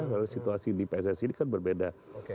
karena situasi di pssi ini kan berbeda